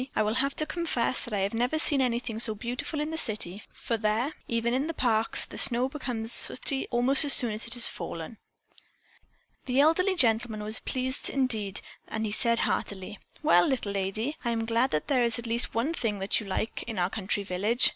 I will have to confess that I have never seen anything so beautiful in the city, for there, even in the parks, the snow becomes sooty almost as soon as it has fallen." The elderly gentleman was indeed pleased and he said heartily: "Well, little lady, I am glad that there is at least one thing that you like in our country village.